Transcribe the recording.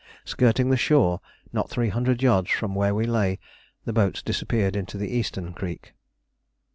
Skirting the shore not three hundred yards from where we lay, the boats disappeared into the eastern creek.